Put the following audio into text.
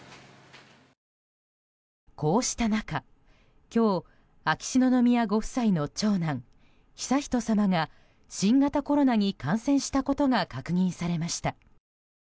こうした中、今日秋篠宮ご夫妻の長男・悠仁さまが新型コロナに感染したことが確認されました。